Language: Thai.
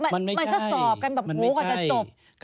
มันไม่ใช่มันก็สอบกันแบบ